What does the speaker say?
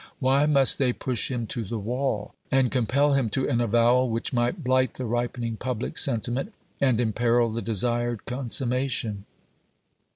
Why must they push him to the wall, and compel him to an avowal which might blight the ripening public sentiment and imperil the desired consummation?